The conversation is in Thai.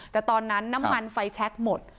แต่ตอนนั้นน้ำมันไฟแชคหมด